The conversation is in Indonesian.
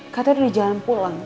katanya udah jalan pulang